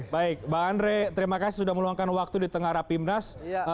baik bang andre terima kasih sudah meluangkan waktu di tengah rapimnas